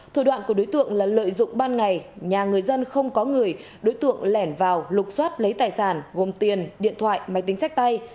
thủ đoạn của đối tượng là lợi dụng ban ngày nhà người dân không có người đối tượng lẻn vào lục xoát lấy tài sản gồm tiền điện thoại máy tính sách tay